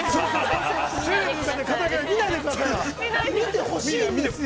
見てほしいんですよ。